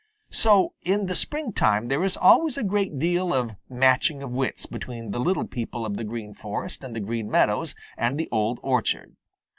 So in the springtime there is always a great deal of matching of wits between the little people of the Green Forest and the Green Meadows and the Old Orchard.